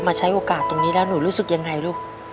ใช้โอกาสตรงนี้แล้วหนูรู้สึกยังไงลูก